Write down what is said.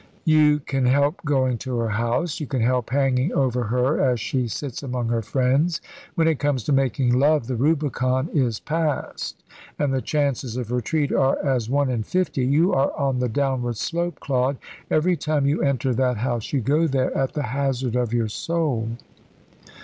"You can help going to her house. You can help hanging over her as she sits among her friends. When it comes to making love the Rubicon is passed, and the chances of retreat are as one in fifty. You are on the downward slope, Claude. Every time you enter that house you go there at the hazard of your soul."